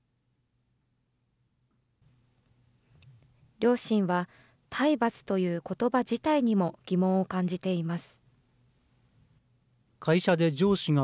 両親は、体罰ということば自体にも疑問を感じています。